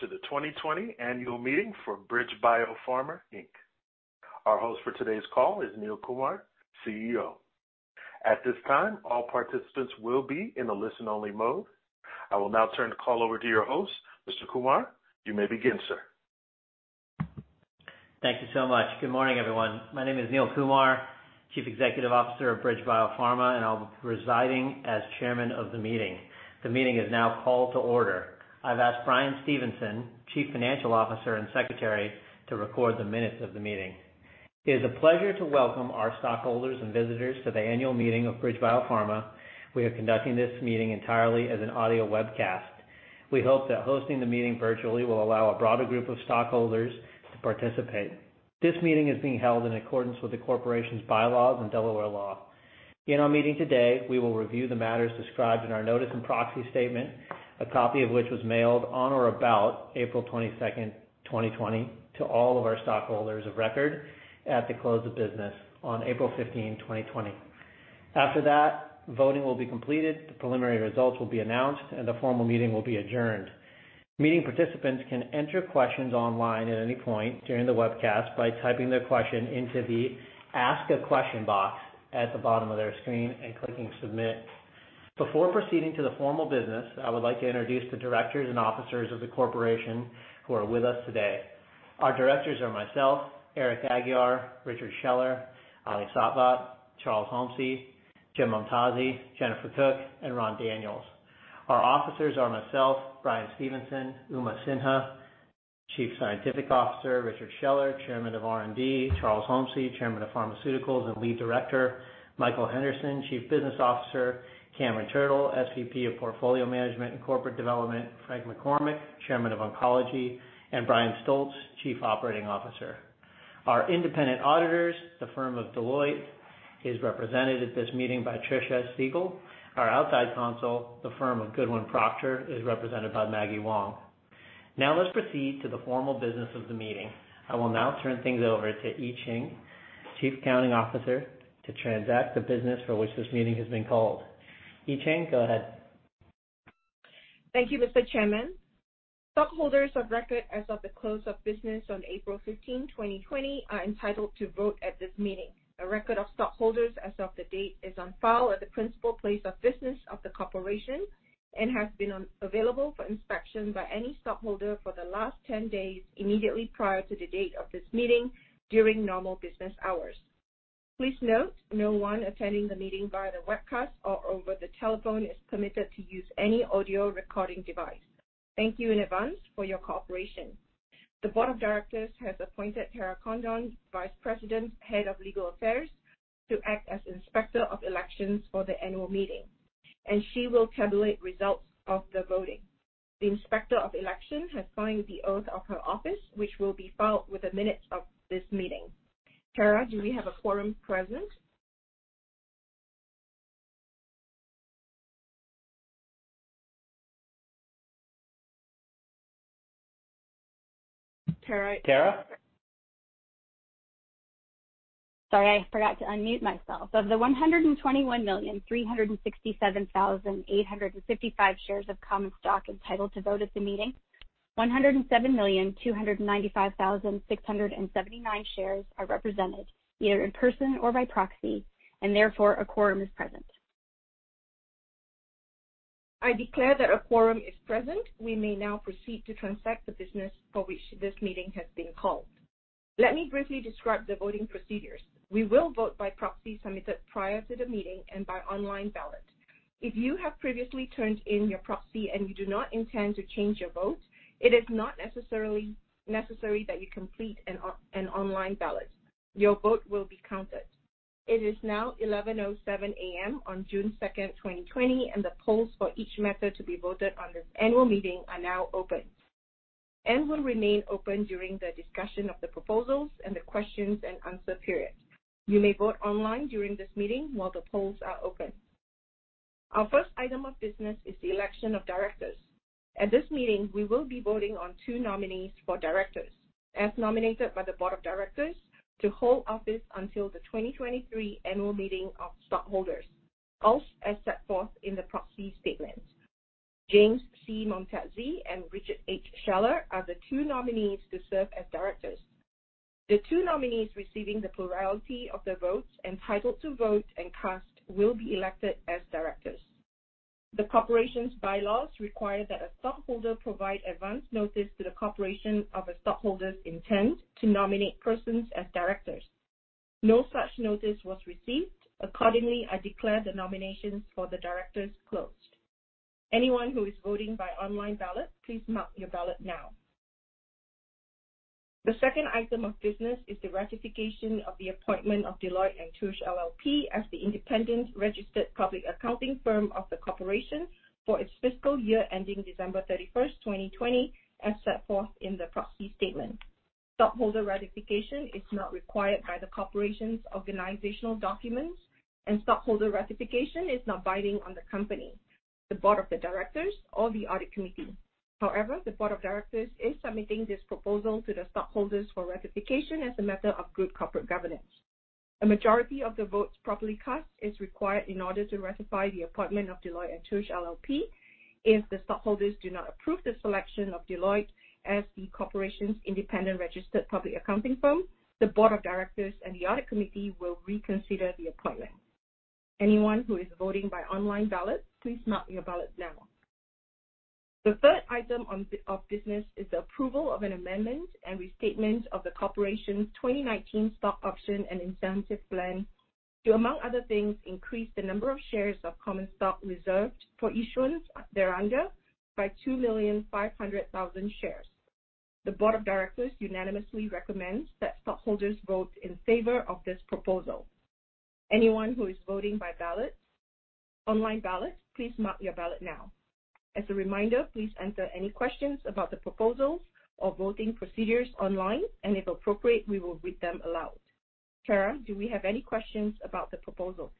Welcome to the 2020 annual meeting for BridgeBio Pharma, Inc. Our host for today's call is Neil Kumar, CEO. At this time, all participants will be in a listen-only mode. I will now turn the call over to your host, Mr. Kumar. You may begin, sir. Thank you so much. Good morning, everyone. My name is Neil Kumar, Chief Executive Officer of BridgeBio Pharma, and I'll be presiding as Chairman of the meeting. The meeting is now called to order. I've asked Brian Stephenson, Chief Financial Officer and Secretary, to record the minutes of the meeting. It is a pleasure to welcome our stockholders and visitors to the annual meeting of BridgeBio Pharma. We are conducting this meeting entirely as an audio webcast. We hope that hosting the meeting virtually will allow a broader group of stockholders to participate. This meeting is being held in accordance with the corporation's bylaws and Delaware law. In our meeting today, we will review the matters described in our notice and proxy statement, a copy of which was mailed on or about April 22nd, 2020, to all of our stockholders of record at the close of business on April 15, 2020. After that, voting will be completed, the preliminary results will be announced, and the formal meeting will be adjourned. Meeting participants can enter questions online at any point during the webcast by typing their question into the Ask a Question box at the bottom of their screen and clicking submit. Before proceeding to the formal business, I would like to introduce the directors and officers of the corporation who are with us today. Our directors are myself, Eric Aguiar, Richard Scheller, Ali Satvat, Charles Homcy, Jim Momtazee, Jennifer Cook, and Ron Daniels. Our officers are myself, Brian Stephenson, Uma Sinha, Chief Scientific Officer, Richard Scheller, Chairman of R&D, Charles Homcy, Chairman of Pharmaceuticals and Lead Director, Michael Henderson, Chief Business Officer, Cameron Turtle, SVP of Portfolio Management and Corporate Development, Frank McCormick, Chairman of Oncology, and Brian Stolz, Chief Operating Officer. Our independent auditors, the firm of Deloitte, is represented at this meeting by Tricia Siegel. Our outside counsel, the firm of Goodwin Procter, is represented by Maggie Wong. Let's proceed to the formal business of the meeting. I will now turn things over to Yi Ching, Chief Accounting Officer, to transact the business for which this meeting has been called. Yi Ching, go ahead. Thank you, Mr. Chairman. Stockholders of record as of the close of business on April 15, 2020 are entitled to vote at this meeting. A record of stockholders as of the date is on file at the principal place of business of the corporation and has been available for inspection by any stockholder for the last 10 days immediately prior to the date of this meeting during normal business hours. Please note no one attending the meeting via the webcast or over the telephone is permitted to use any audio recording device. Thank you in advance for your cooperation. The board of directors has appointed Tara Condon, Vice President, Head of Legal Affairs, to act as Inspector of Elections for the annual meeting, and she will tabulate results of the voting. The Inspector of Election has signed the oath of her office, which will be filed with the minutes of this meeting. Tara, do we have a quorum present? Tara? Sorry, I forgot to unmute myself. Of the 121,367,855 shares of common stock entitled to vote at the meeting, 107,295,679 shares are represented either in person or by proxy, and therefore a quorum is present. I declare that a quorum is present. We may now proceed to transact the business for which this meeting has been called. Let me briefly describe the voting procedures. We will vote by proxy submitted prior to the meeting and by online ballot. If you have previously turned in your proxy and you do not intend to change your vote, it is not necessary that you complete an online ballot. Your vote will be counted. It is now 11:07 A.M. on June 2nd, 2020, and the polls for each matter to be voted on this annual meeting are now open and will remain open during the discussion of the proposals and the questions and answer period. You may vote online during this meeting while the polls are open. Our first item of business is the election of directors. At this meeting, we will be voting on two nominees for Directors as nominated by the Board of Directors to hold office until the 2023 Annual Meeting of Stockholders, all as set forth in the proxy statement. James C. Momtazee and Richard H. Scheller are the two nominees to serve as Directors. The two nominees receiving the plurality of the votes entitled to vote and cast will be elected as Directors. The Corporation's bylaws require that a stockholder provide advance notice to the Corporation of a stockholder's intent to nominate persons as Directors. No such notice was received. Accordingly, I declare the nominations for the Directors closed. Anyone who is voting by online ballot, please mark your ballot now. The second item of business is the ratification of the appointment of Deloitte & Touche LLP as the independent registered public accounting firm of the corporation for its fiscal year ending December 31st, 2020, as set forth in the proxy statement. Stockholder ratification is not required by the corporation's organizational documents, and stockholder ratification is not binding on the company, the Board of Directors or the Audit Committee. However, the Board of Directors is submitting this proposal to the stockholders for ratification as a matter of good corporate governance. A majority of the votes properly cast is required in order to ratify the appointment of Deloitte & Touche LLP. If the stockholders do not approve the selection of Deloitte as the corporation's independent registered public accounting firm, the Board of Directors and the Audit Committee will reconsider the appointment. Anyone who is voting by online ballot, please mark your ballot now. The third item of business is the approval of an amendment and restatement of the corporation's 2019 stock option and incentive plan to, among other things, increase the number of shares of common stock reserved for issuance thereunder by 2,500,000 shares. The board of directors unanimously recommends that stockholders vote in favor of this proposal. Anyone who is voting by online ballot, please mark your ballot now. As a reminder, please enter any questions about the proposals or voting procedures online, and if appropriate, we will read them aloud. Tara, do we have any questions about the proposal?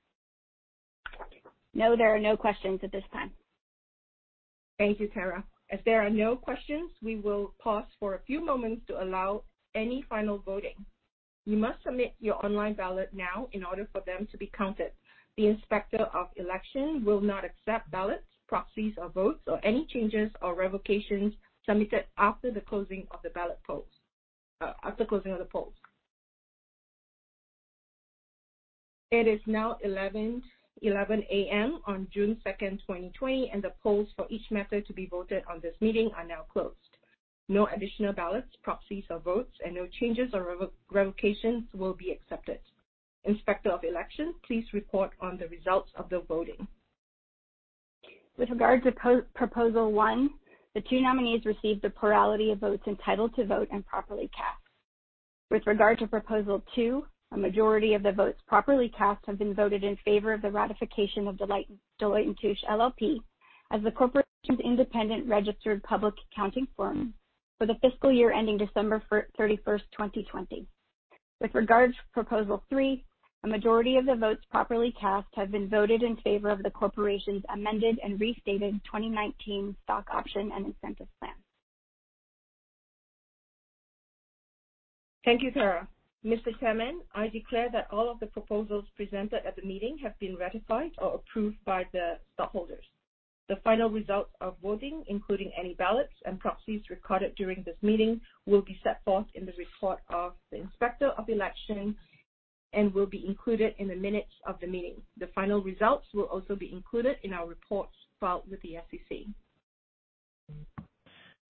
No, there are no questions at this time. Thank you, Tara. As there are no questions, we will pause for a few moments to allow any final voting. You must submit your online ballot now in order for them to be counted. The Inspector of Election will not accept ballots, proxies or votes or any changes or revocations submitted after closing of the polls. It is now 11:11 A.M. on June 2nd, 2020, and the polls for each method to be voted on this meeting are now closed. No additional ballots, proxies or votes, and no changes or revocations will be accepted. Inspector of Election, please report on the results of the voting. With regard to proposal one, the two nominees received the plurality of votes entitled to vote and properly cast. With regard to proposal two, a majority of the votes properly cast have been voted in favor of the ratification of Deloitte & Touche LLP as the corporation's independent registered public accounting firm for the fiscal year ending December 31st, 2020. With regards to proposal three, a majority of the votes properly cast have been voted in favor of the corporation's amended and restated 2019 stock option and incentive plan. Thank you, Tara. Mr. Chairman, I declare that all of the proposals presented at the meeting have been ratified or approved by the stockholders. The final results of voting, including any ballots and proxies recorded during this meeting, will be set forth in the report of the Inspector of Election and will be included in the minutes of the meeting. The final results will also be included in our reports filed with the SEC.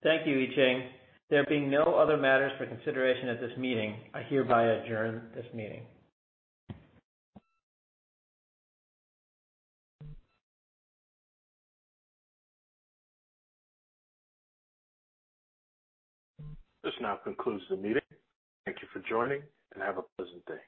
Thank you, Yi Ching. There being no other matters for consideration at this meeting, I hereby adjourn this meeting. This now concludes the meeting. Thank you for joining, and have a pleasant day.